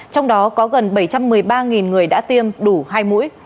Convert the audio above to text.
trong đó có gần bảy trăm một mươi ba người đã tiêm đủ hai mũi